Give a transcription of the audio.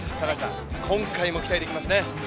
今回も期待できますね。